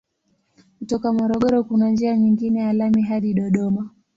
Kutoka Morogoro kuna njia nyingine ya lami hadi Dodoma.